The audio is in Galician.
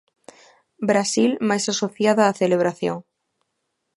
Brasil máis asociada á celebración.